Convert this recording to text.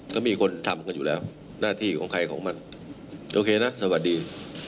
ก็มีคนทำกันอยู่แล้วหน้าที่ของใครของมันโอเคนะสวัสดี